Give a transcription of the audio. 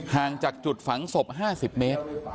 ห่างจากจุดฝังศพ๕๐เมตร